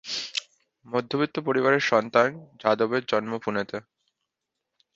মধ্যবিত্ত পরিবারের সন্তান যাদবের জন্ম পুনেতে।